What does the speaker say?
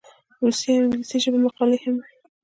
روسي او انګلیسي ژبو مقالې هم وې.